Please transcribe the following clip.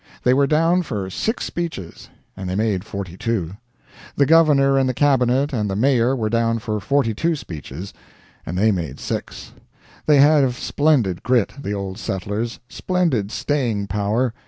They were down for six speeches, and they made 42. The governor and the cabinet and the mayor were down for 42 speeches, and they made 6. They have splendid grit, the Old Settlers, splendid staying power.